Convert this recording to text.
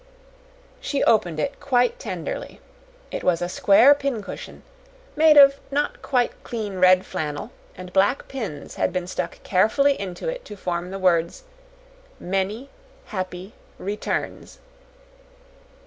She opened it quite tenderly. It was a square pincushion, made of not quite clean red flannel, and black pins had been stuck carefully into it to form the words, "Menny hapy returns."